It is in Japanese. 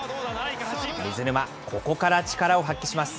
水沼、ここから力を発揮します。